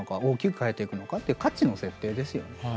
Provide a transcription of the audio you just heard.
大きく変えていくのかっていう価値の設定ですよね。